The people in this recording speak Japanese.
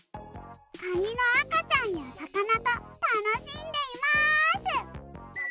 カニのあかちゃんやさかなとたのしんでいます！